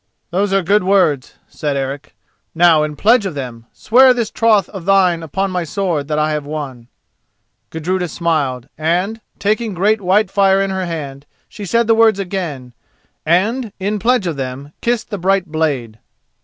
"Those are good words," said Eric. "Now, in pledge of them, swear this troth of thine upon my sword that I have won." Gudruda smiled, and, taking great Whitefire in her hand, she said the words again, and, in pledge of them, kissed the bright blade.